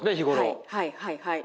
はいはいはいはい。